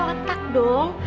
ya pake otak dong